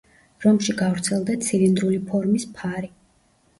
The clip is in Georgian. რომში გავრცელდა ცილინდრული ფორმის ფარი.